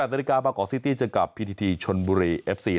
๑๘ตรบาลกอร์ซิตี้เจอกับพีทีทีชนบุรีเอฟซี